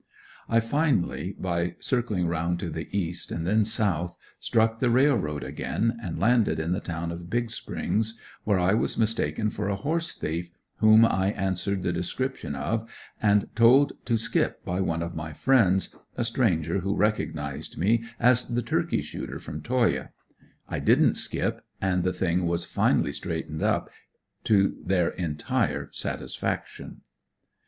I finally, by circling around to the east, and then south, struck the railroad again, and landed in the town of Big Springs; where I was mistaken for a horse thief, whom I answered the description of, and told to "skip" by one of my friends, a stranger who recognized me as the turkey shooter from Toyah. I didn't skip; and the thing was finally straightened up to their entire satisfaction.